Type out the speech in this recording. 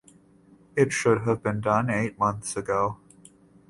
It should have been done eight months ago.